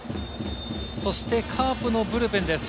そしてカーブのブルペンです。